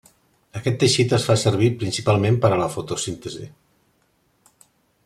Aquest teixit es fa servir principalment per a la fotosíntesi.